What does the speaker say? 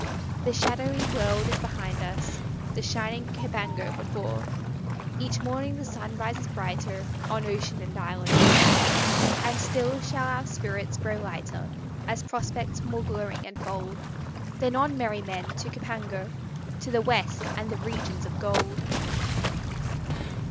The shadowy world is behind us, The shining Cèpango, before; Each morning the sun rises brighter On ocean, and island, and shore. And still shall our spirits grow lighter, As prospects more glowing enfold; Then on, merry men! to Cèpango, To the west, and the regions of gold!"